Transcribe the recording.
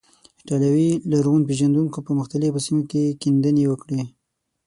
ایټالوي لرغون پیژندونکو په مختلفو سیمو کې کیندنې وکړې.